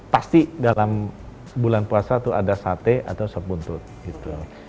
pasti dalam bulan puasa tuh ada sate atau sop butut